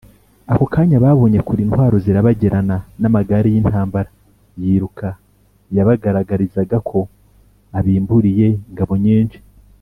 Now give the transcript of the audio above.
ako kanya babonye kure intwaro zirabagirana n’amagare y’intamabara yiruka yabagaragarizaga ko abimburiye ingabo nyinshi.